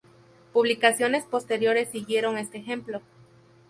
Publicaciones posteriores siguieron este ejemplo.